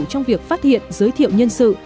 trong việc phát hiện giới thiệu nhân sự